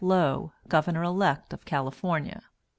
Low, Governor Elect of California.